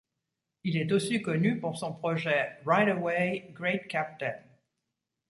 Il est aussi connu pour son projet Right Away, Great Captain!.